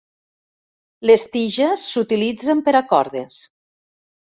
Les tiges s'utilitzen per a cordes.